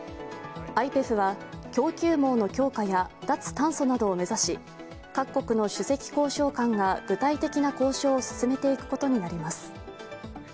ＩＰＥＦは供給網の強化や脱炭素などを目指し各国の首席交渉官が具体的な交渉を進めていくことになります。